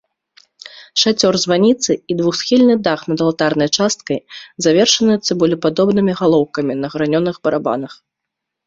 Шацёр званіцы і двухсхільны дах над алтарнай часткай завершаны цыбулепадобнымі галоўкамі на гранёных барабанах.